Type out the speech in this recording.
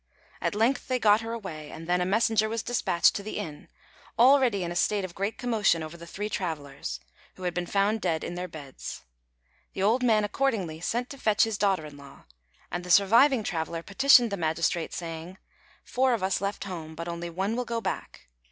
At length they got her away, and then a messenger was despatched to the inn, already in a state of great commotion over the three travellers, who had been found dead in their beds. The old man accordingly sent to fetch his daughter in law; and the surviving traveller petitioned the magistrate, saying, "Four of us left home, but only one will go back.